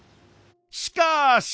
しかし！